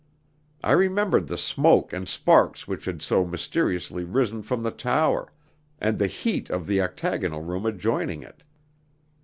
I remembered the smoke and sparks which had so mysteriously risen from the tower, and the heat of the octagonal room adjoining it.